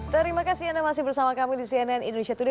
terima kasih anda masih bersama kami di cnn indonesia today